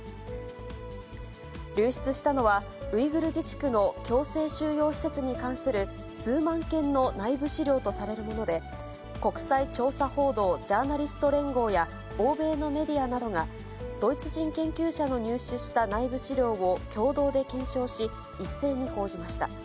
流出したのは、ウイグル自治区の強制収容施設に関する数万件の内部資料とされるもので、国際調査報道ジャーナリスト連合や欧米のメディアなどが、ドイツ人研究者の入手した内部資料を共同で検証し、一斉に報じました。